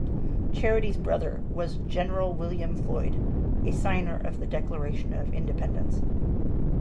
Charity's brother was General William Floyd, a signer of the Declaration of Independence.